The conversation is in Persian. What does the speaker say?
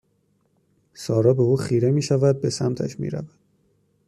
سارا به او خیره میشود به سمتش میرود